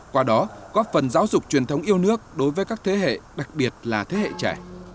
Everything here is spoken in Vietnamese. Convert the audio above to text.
qua đó góp phần giáo dục truyền thống yêu nước đối với các thế hệ đặc biệt là thế hệ trẻ